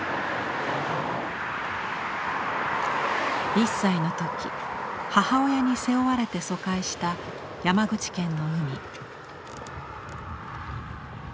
１歳の時母親に背負われて疎開した山口県の海。